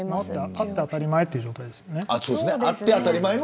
あって当たり前っていう状態ですよね。